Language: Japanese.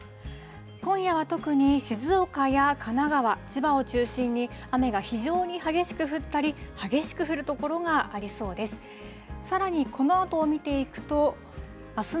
今夜は特に静岡や神奈川、千葉を中心に雨が非常に激しく降ったり、激しく降る所がありそうです。